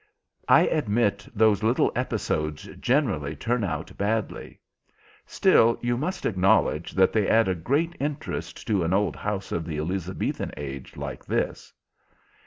I admit those little episodes generally turn out badly. Still you must acknowledge that they add a great interest to an old house of the Elizabethan age like this?"